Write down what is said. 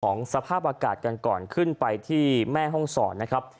สภาพอากาศกันก่อนขึ้นไปที่แม่ห้องศรนะครับ